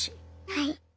はい。